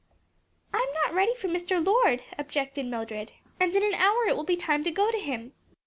"I'm not ready for Mr. Lord," objected Mildred, "and in an hour it will be time to go to him."